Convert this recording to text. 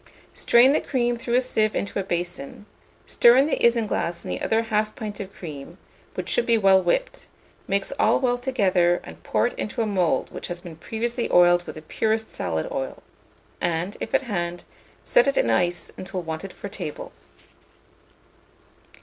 Strain the cream through a sieve into a basin; stir in the isinglass and the other 1/2 pint of cream, which should be well whipped; mix all well together, and pour it into a mould which has been previously oiled with the purest salad oil, and, if at hand, set it in ice until wanted for table.